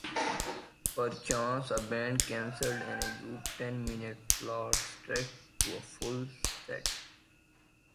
Perchance a band cancelled and Ayub's ten-minute slot stretched to a full set.